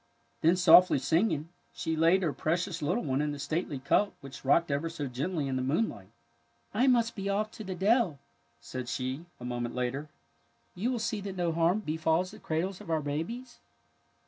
Then, softly singing, she laid her pre cious little one in the stately cup which rocked ever so gently in the moonlight. '' I must be off to the dell,'' said she, a moment later. *' You will see that no harm befalls the cradles of our babies?